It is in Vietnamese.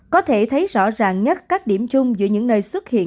có thể thấy rõ ràng nhất các điểm chung giữa những nơi xuất hiện